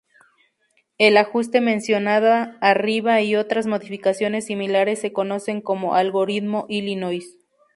El ajuste mencionado arriba, y otras modificaciones similares se conocen como "Algoritmo Illinois".